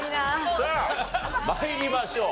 さあ参りましょう。